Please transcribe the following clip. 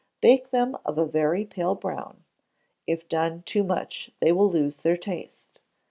Bake them of a very pale brown. If done too much they will lose their taste.